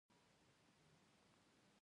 افغانستان په مس غني دی.